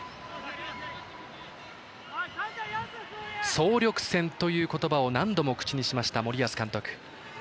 総力戦という言葉を何度も口にしました、森保監督。